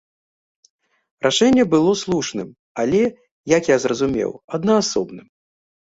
Рашэнне было слушным, але, як я зразумеў, аднаасобным.